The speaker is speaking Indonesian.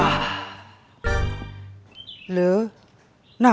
kita jalan silahkan disini